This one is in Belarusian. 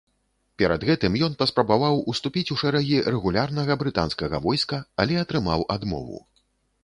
Перад гэтым ён паспрабаваў уступіць у шэрагі рэгулярнага брытанскага войска, але атрымаў адмову.